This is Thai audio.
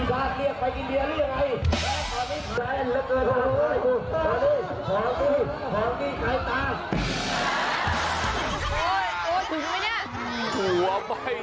ถึงมั้ยดีกว่าวันนี้